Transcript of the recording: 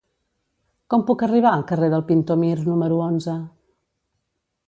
Com puc arribar al carrer del Pintor Mir número onze?